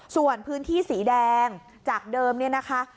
ส่วนพื้นที่สีแดงจากเดิมเนี่ยนะคะ